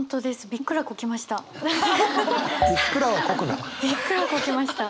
びっくらこきました。